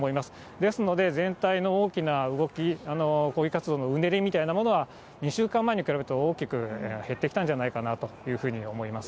ですので、全体の大きな動き、抗議活動のうねりみたいなものは２週間前に比べると大きく減ってきたんじゃないかなというふうに思います。